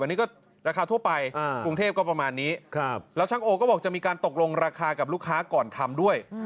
อันนี้ก็ราคาทั่วไปกรุงเทพก็ประมาณนี้แล้วช่างโอก็บอกจะมีการตกลงราคากับลูกค้าก่อนทำด้วย